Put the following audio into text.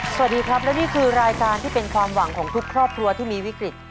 สวัสดีครับและนี่คือรายการที่เป็นความหวังของทุกครอบครัวที่มีวิกฤต